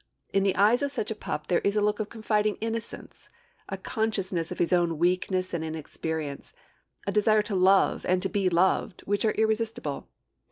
In the eyes of such a pup there is a look of confiding innocence, a consciousness of his own weakness and inexperience, a desire to love and to be loved, which are irresistible.